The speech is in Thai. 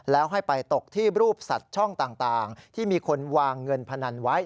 แล้วให้ไปตกที่รูปสัตว์ช่องต่างที่มีคนวางเงินพนันไว้